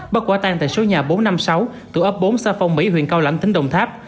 bắt quả tan tại số nhà bốn trăm năm mươi sáu tụ ấp bốn xa phong mỹ huyện cao lãnh tỉnh đồng tháp